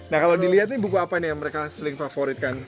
nah kalau dilihat nih buku apa nih yang mereka sering favoritkan